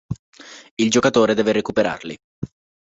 Il giocatore deve recuperarli.